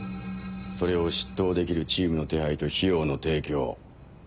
それを執刀できるチームの手配と費用の提供。